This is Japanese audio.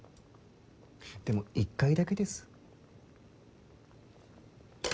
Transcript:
でも１回だけです。